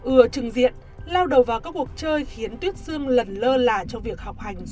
ừa trừng diện lao đầu vào các cuộc chơi khiến tuyết sương lần lơ là trong việc học hành rồi bỏ đi